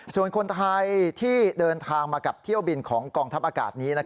ส่วนคนไทยที่เดินทางมากับเที่ยวบินของกองทัพอากาศนี้